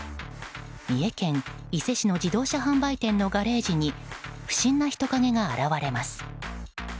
三重県伊勢市の自動車販売店のガレージに不審な人影が現れます。